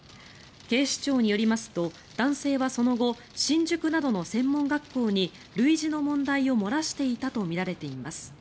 警視庁によりますと男性はその後、新宿などの専門学校に類似の問題を漏らしていたとみられています。